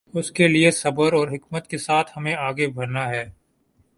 اس کے لیے صبر اور حکمت کے ساتھ ہمیں آگے بڑھنا ہے۔